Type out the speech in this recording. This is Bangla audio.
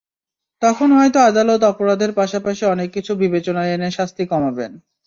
তখন হয়তো আদালত অপরাধের পাশাপাশি অনেক কিছু বিবেচনায় এনে শাস্তি কমাবেন।